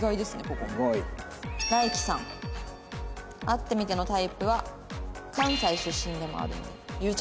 「会ってみてのタイプは関西出身でもあるのでゆうちゃみさん」。